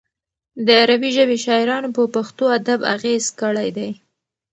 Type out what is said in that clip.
د عربي ژبې شاعرانو په پښتو ادب اغېز کړی دی.